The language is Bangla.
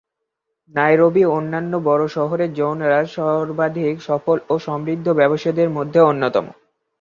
নাইরোবি ও অন্যান্য বড়ো শহরে জৈনরা সর্বাধিক সফল ও সমৃদ্ধ ব্যবসায়ীদের মধ্যে অন্যতম।